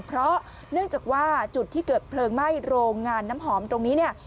เพราะเนื่องจากว่าจุดที่เกิดเพลิงไหม้โรงงานน้ำหอมตรงนี้เนี่ย